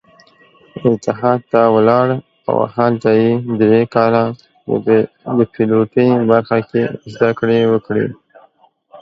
اتحاد ته ولاړ او هلته يې درې کاله د پيلوټۍ برخه کې زدکړې وکړې.